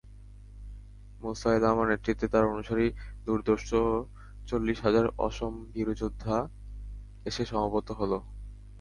মুসায়লামার নেতৃত্বে তার অনুসারী দুধর্ষ চল্লিশ হাজার অসম বীরযোদ্ধা এসে সমবেত হল।